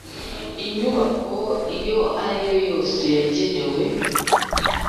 Inyubako iyo ariyo yose yagenewe